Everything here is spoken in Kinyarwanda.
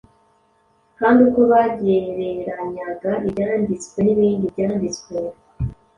kandi uko bagereranyaga ibyanditswe n’ibindi byanditswe.